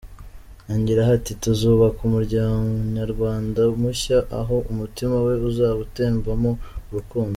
Yongeraho ati “ Tuzubaka Umunyarwanda mushya aho umutima we uzaba utembamo urukundo.